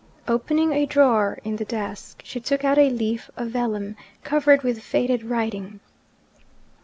Opening a drawer in the desk, she took out a leaf of vellum, covered with faded writing.